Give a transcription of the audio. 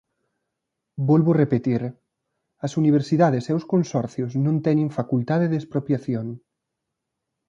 Volvo repetir: as universidades e os consorcios non teñen facultade de expropiación.